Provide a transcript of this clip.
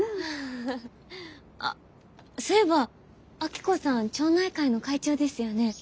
あっそういえば明子さん町内会の会長ですよね。